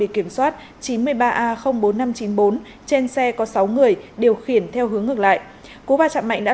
kiểm soát chín mươi ba a bốn nghìn năm trăm chín mươi bốn trên xe có sáu người điều khiển theo hướng ngược lại cú va chạm mạnh đã